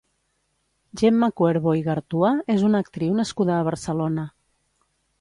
Gemma Cuervo Igartua és una actriu nascuda a Barcelona.